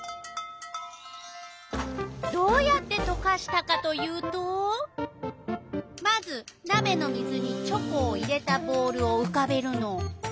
どうやってとかしたかというとまずなべの水にチョコを入れたボウルをうかべるの。